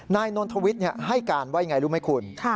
นนทวิทย์ให้การว่าอย่างไรรู้ไหมคุณ